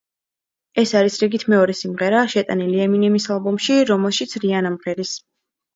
ეს არის რიგით მეორე სიმღერა, შეტანილი ემინემის ალბომში, რომელშიც რიანა მღერის.